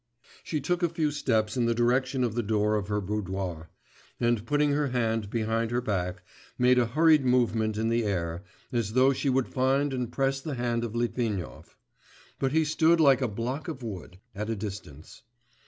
She took a few steps in the direction of the door of her boudoir, and putting her hand behind her back, made a hurried movement in the air, as though she would find and press the hand of Litvinov; but he stood like a block of wood, at a distance....